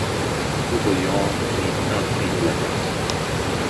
Court-bouillon need not be elaborate.